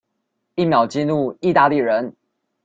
一秒激怒義大利人